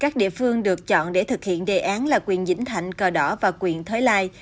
các địa phương được chọn để thực hiện đề án là quyền dĩnh thạnh cờ đỏ và quyền thới lai